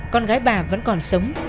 con gái bà vẫn còn sống